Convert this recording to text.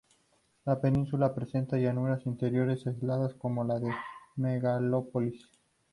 La península presenta llanuras interiores aisladas, como la de Megalópolis.